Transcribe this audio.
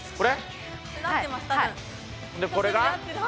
でこれが？